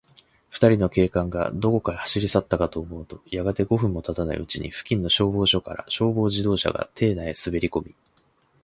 ふたりの警官が、どこかへ走りさったかと思うと、やがて、五分もたたないうちに、付近の消防署から、消防自動車が邸内にすべりこみ、